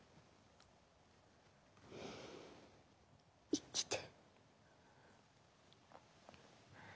生きて。